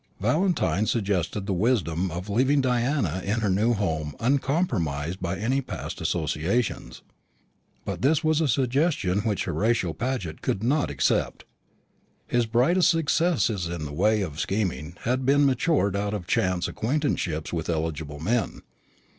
Valentine suggested the wisdom of leaving Diana in her new home uncompromised by any past associations. But this was a suggestion which Horatio Paget could not accept. His brightest successes in the way of scheming had been matured out of chance acquaintanceships with eligible men.